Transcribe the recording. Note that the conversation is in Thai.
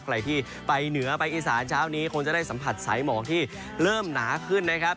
ใครที่ไปเหนือไปอีสานเช้านี้คงจะได้สัมผัสสายหมอกที่เริ่มหนาขึ้นนะครับ